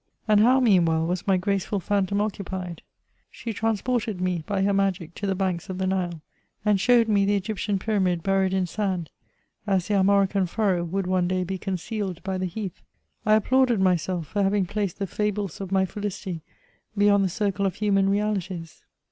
And how, meanwhile, was my graceful phantom occupied? She transported me, by her magic, to the banks of the Nile, and showed me the Egyptian pyramid buried in sand, as the armorican furrow would one day be concealed by the heath. I applauded myself for having placed the fables of my felicity beyond the circle of human reahties.